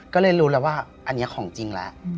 ก็เลยรู้แล้วว่าอันนี้ของจริงแล้ว